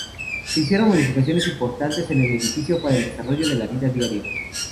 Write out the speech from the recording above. Se hicieron modificaciones importantes en el edificio, para el desarrollo de la vida diaria.